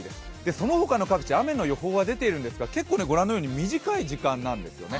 その他の各地、雨の予報は出ているんですが結構ご覧のように短い時間なんですよね。